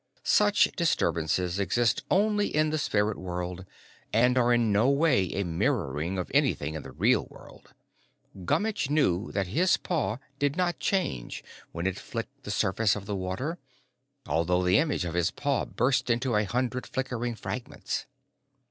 Such disturbances exist only in the spirit world and are in no way a mirroring of anything in the real world: Gummitch knew that his paw did not change when it flicked the surface of the water, although the image of his paw burst into a hundred flickering fragments.